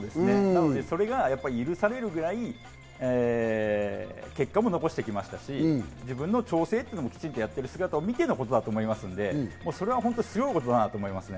それが許されるくらい結果も残してきましたし、自分の調整というのもきちんとやってる姿を見てのことだと思いますので、それはすごいことだなと思いますね。